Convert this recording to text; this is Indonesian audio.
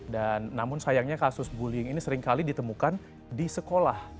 dan namun sayangnya kasus bullying ini seringkali ditemukan di sekolah